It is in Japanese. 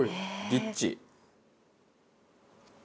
リッチ。